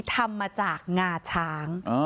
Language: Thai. ทำมาจากงาช้าง